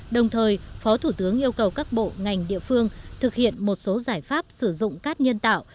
đồng thời phó thủ tướng yêu cầu các bộ ngành địa phương thực hiện một số giải pháp sử dụng cát nhân tạo